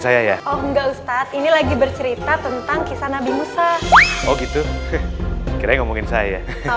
saya ya oh enggak ustadz ini lagi bercerita tentang kisah nabi musa oh gitu kiranya ngomongin saya